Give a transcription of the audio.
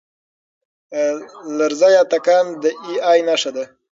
لرزه یا تکان د اې ای نښه ده.